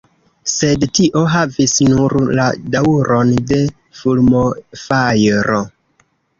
Sed tio havis nur la daŭron de fulmofajro.